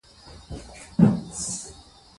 ادبي دود کې د دغو فرهنګي کوډونو